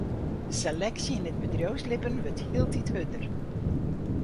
De seleksje yn it bedriuwslibben wurdt hieltyd hurder.